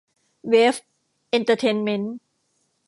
เวฟ เอ็นเตอร์เทนเมนท์